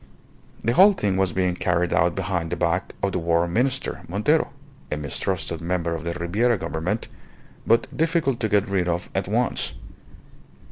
The whole thing was being carried out behind the back of the War Minister, Montero, a mistrusted member of the Ribiera Government, but difficult to get rid of at once.